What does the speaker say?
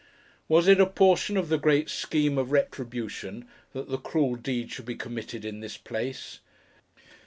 Was it a portion of the great scheme of Retribution, that the cruel deed should be committed in this place!